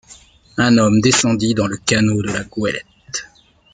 Un homme descendit dans le canot de la goélette.